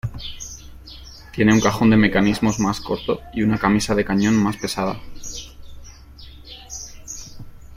Tiene un cajón de mecanismos más corto y una camisa de cañón más pesada.